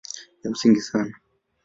Ya msingi sana